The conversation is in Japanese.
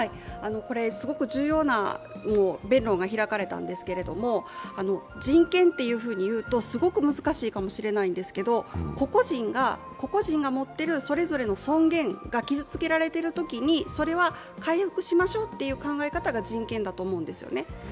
これ、すごく重要な弁論が開かれたんですけれども、人権っていうふうにいうとすごく難しいかもしれないんですけど個々人が持っているそれぞれの尊厳が傷つけられているときにそれは回復しましょうというものなんですね。